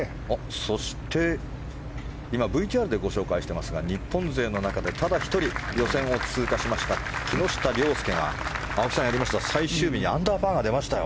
そして、今ＶＴＲでご紹介していますが日本勢の中でただ一人予選を通過しました木下稜介がね、青木さんやりました、最終日にアンダーパーが出ましたよ。